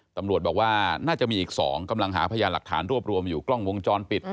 ตำรวจบอกว่าน่าจะมีอีก๒กำลังหาพยานหลักฐานรวบรวมอยู่กล้องวงจรปิด